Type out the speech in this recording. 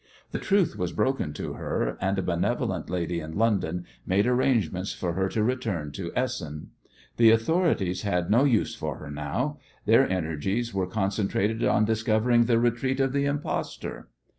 The truth was broken to her, and a benevolent lady in London made arrangements for her to return to Essen. The authorities had no use for her now. Their energies were concentrated on discovering the retreat of the impostor.